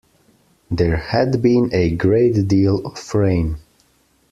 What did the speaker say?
There had been a great deal of rain.